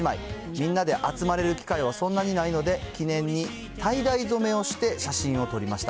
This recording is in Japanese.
みんなで集まれる機会はそんなにないので、記念にタイダイ染めをして写真を撮りました。